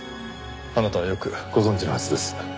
あなたはよくご存じのはずです。